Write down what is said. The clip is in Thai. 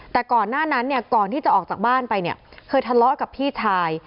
แต่ก่อนหน้านั้นเนี่ยก่อนที่จะออกจากบ้านไปเนี่ยเคยทะเลาะกับพี่ชาย